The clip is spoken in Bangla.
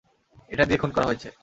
এটা দিয়ে খুন করা হয়েছে।